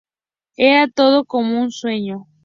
Era todo como un sueño.